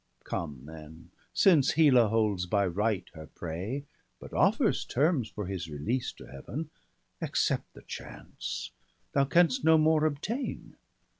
Come then ! since Hela holds by right her prey, But offers terms for his release to Heaven, Accept the chance; thou canst no more obtain.